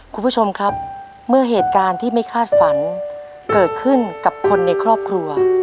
คุณผู้ชมครับเมื่อเหตุการณ์ที่ไม่คาดฝันเกิดขึ้นกับคนในครอบครัว